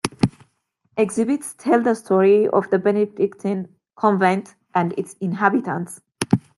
Exhibits tell the story of the Benedictine convent and its inhabitants.